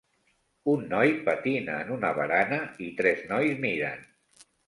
Un noi patina en una barana i tres nois miren.